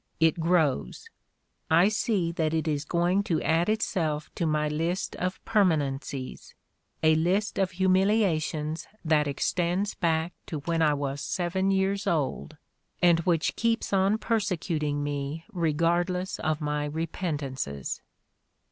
It grows. I see that it is going to add itself to my list of permanencies, a list of humiliations that extends back to when I was seven years old, and which keeps on persecuting me re gardless of my repentances."